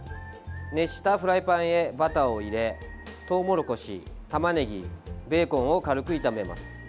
熱したフライパンへバターを入れトウモロコシ、たまねぎベーコンを軽く炒めます。